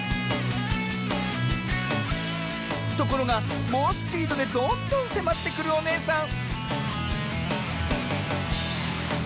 ところがもうスピードでどんどんせまってくるおねえさん